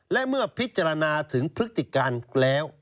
และเมื่อพิจารณาถึงพฤติการแล้ว